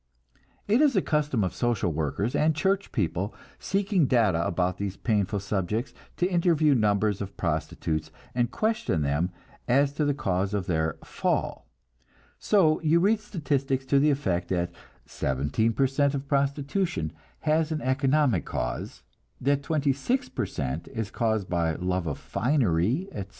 It is a custom of social workers and church people, seeking data about these painful subjects, to interview numbers of prostitutes, and question them as to the causes of their "fall"; so you read statistics to the effect that seventeen per cent of prostitution has an economic cause, that twenty six per cent is caused by love of finery, etc.